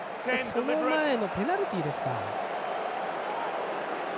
その前のペナルティーですか。